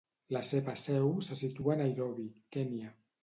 La seva seu se situa a Nairobi, Kenya.